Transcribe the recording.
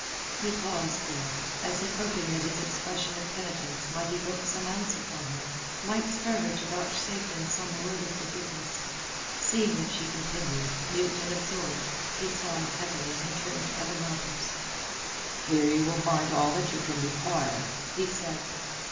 He paused there, as if hoping that his expression of penitence might evoke some answer from her, might spur her to vouchsafe him some word of forgiveness. Seeing that she continued, mute and absorbed, he sighed heavily, and turned to other matters. "Here you will find all that you can require," he said.